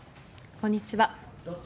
こんにちは。